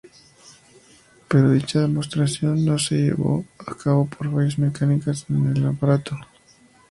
Pero dicha demostración no se llevó a cabo por fallas mecánicas en el aparato.